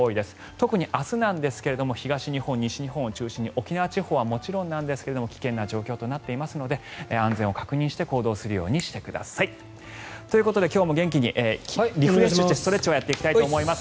特に明日なんですが東日本、西日本を中心に沖縄地方はもちろんなんですが危険な状況となっていますので安全を確認して行動するようにしてください。ということで今日も元気にリフレッシュしてストレッチをやっていきたいと思います。